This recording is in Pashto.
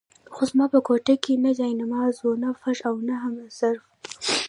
خو زما په کوټه کې نه جاینماز وو، نه فرش او نه هم ظرف.